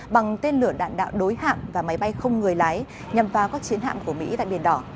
bằng tên lửa đạn đạo đối hạm và máy bay không người lái nhằm vào các chiến hạm của mỹ tại biển đỏ